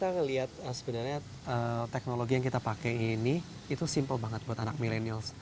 jadi kita lihat sebenarnya teknologi yang kita pakai ini itu simpel banget buat anak millennials